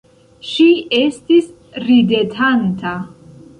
Ŝi estis ridetanta.